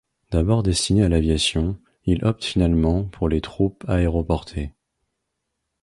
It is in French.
D'abord destiné à l'aviation, il opte finalement pour les troupes aéroportées.